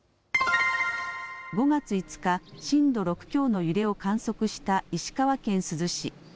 ５月５日、震度６強の揺れを観測した石川県珠洲市。